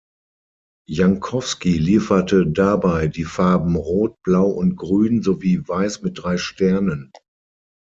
Jankowski lieferte dabei die Farben Rot, Blau und Grün sowie Weiß mit drei Sternen.